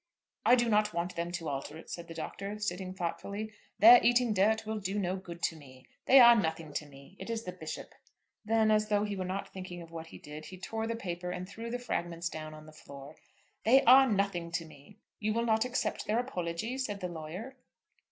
"I do not want them to alter it," said the Doctor, sitting thoughtfully. "Their eating dirt will do no good to me. They are nothing to me. It is the Bishop." Then, as though he were not thinking of what he did, he tore the paper and threw the fragments down on the floor. "They are nothing to me." "You will not accept their apology?" said the lawyer.